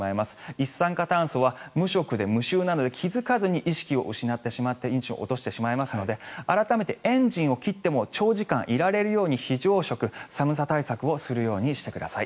一酸化炭素は無色で無臭なので気付かずに意識を失ってしまったり命を落としてしまいますので改めて、エンジンを切っても長時間いられるように非常食、寒さ対策をするようにしてください。